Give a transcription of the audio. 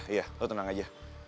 iya lo tenang aja